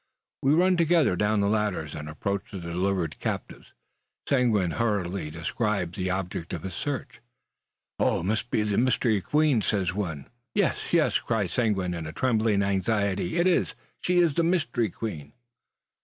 We run together down the ladders, and approach the delivered captives. Seguin hurriedly describes the object of his search. "It must be the Mystery Queen," says one. "Yes, yes!" cries Seguin, in trembling anxiety; "it is; she is the Mystery Queen."